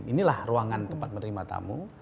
inilah ruangan tempat menerima tamu